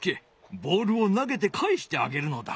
ボールを投げてかえしてあげるのだ。